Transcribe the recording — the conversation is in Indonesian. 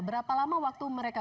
berapa lama waktu melakukan